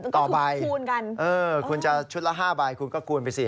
ต่อใบคูณกันคุณจะชุดละ๕ใบคุณก็คูณไปสิ